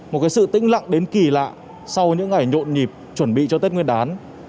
một cái sự tĩnh lặng đến kỳ lạ sau những ngày nhộn nhịp chuẩn bị cho tết nguyên đán